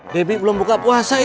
debi belum buka puasa ini